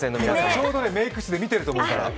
ちょうどメイク室で見ていると思うから。